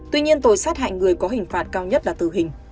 tuy nhiên tội sát hại người có hình phạt cao nhất là tử hình